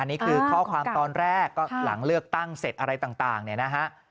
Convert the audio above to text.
นี่คือข้อความตอนแรกก็หลังเลือกตั้งเสร็จอะไรต่างเนี่ยนะฮะ